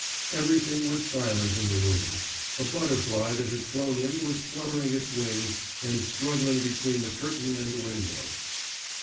Everything was silent in the room; a butterfly that had flown in was fluttering its wings and struggling between the curtain and the window.